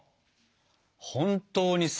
本当にさ